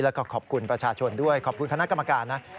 แล้วก็ขอบคุณประชาชนด้วยขอบคุณคณะกรรมการนะ